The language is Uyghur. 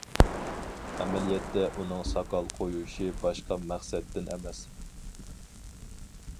ئەمەلىيەتتە ئۇنىڭ ساقال قويۇشى باشقا مەقسەتتىن ئەمەس.